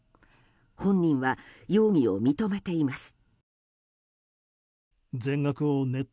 本人は容疑を認めています。